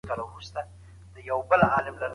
کندهاري ښوروا څنګه پخېږي؟